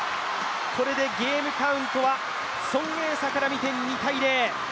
これでゲームカウントは孫エイ莎から見て２−０。